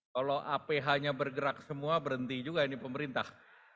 kalau aph nya bergerak semua berhenti juga ini pemerintah